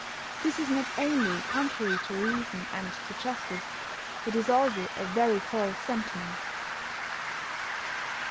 This is not only contrary to reason and to justice: it is also a very false sentiment.